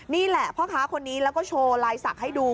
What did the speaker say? นี่แหละพ่อค้าคนนี้แล้วก็โชว์ลายศักดิ์ให้ดู